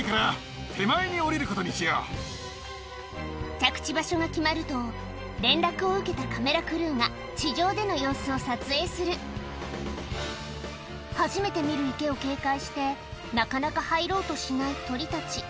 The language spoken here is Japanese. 着地場所が決まると連絡を受けたカメラクルーが地上での様子を撮影する初めて見る池を警戒してなかなか入ろうとしない鳥たち